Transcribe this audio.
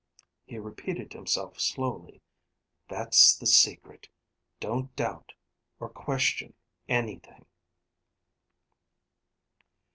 He repeated himself slowly. "That's the secret. Don't doubt, or question anything."